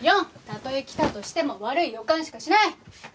４たとえ来たとしても悪い予感しかしない。